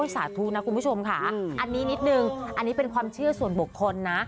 สาธุนะคุณผู้ชมค่ะอันนี้นิดนึงอันนี้เป็นความเชื่อส่วนบุคคลนะ